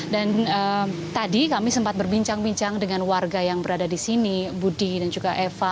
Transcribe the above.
dan tadi kami sempat berbincang bincang dengan warga yang berada di sini budi dan juga eva